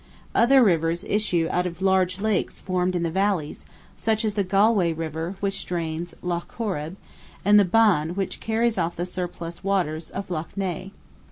Other rivers issue out of large lakes formed in the valleys, such as the Galway river which drains Lough Corrib, and the Bann which carries off the surplus waters of Lough Neagh (Nay).